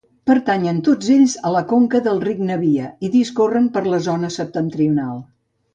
Pertanyen tots ells a la conca del ric Navia i discorren per la zona septentrional.